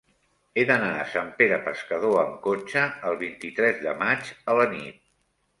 He d'anar a Sant Pere Pescador amb cotxe el vint-i-tres de maig a la nit.